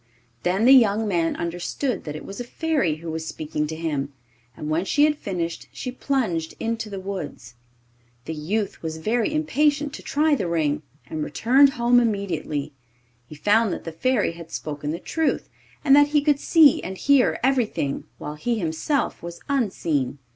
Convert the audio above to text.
Then the young man understood that it was a Fairy who was speaking to him, and when she had finished she plunged into the woods. The youth was very impatient to try the ring, and returned home immediately. He found that the Fairy had spoken the truth, and that he could see and hear everything, while he himself was unseen.